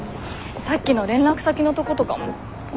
さっきの連絡先のとことかも。